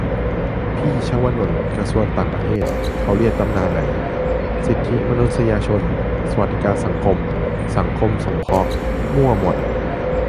พี่ชวนนท์ กระทรวงต่างประเทศ เขาเรียนตำราไหน สิทธิมนุษยชน สวัสดิการสังคม สังคมสงเคราะห์ มั่วหมด